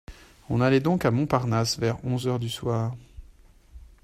On allait donc à Montparnasse vers onze heures du soir.